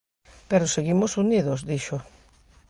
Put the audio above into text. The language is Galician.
"Pero seguimos unidos", dixo.